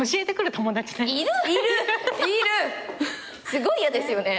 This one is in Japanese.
すごい嫌ですよね。